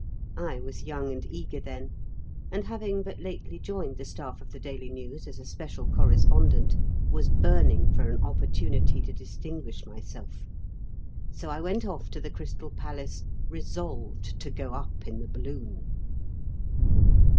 I was young and eager then, and having but lately joined the staff of the Daily News as special correspondent, was burning for an opportunity to distinguish myself. So I went off to the Crystal Palace resolved to go up in the balloon.